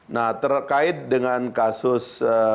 nah terkait dengan kasus